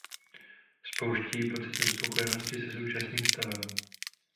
Spouští ji pocit nespokojenosti se současným stavem.